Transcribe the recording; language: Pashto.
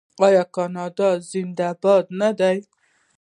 آیا کاناډا زنده باد نه دی؟